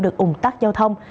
được ủng tắc giao thông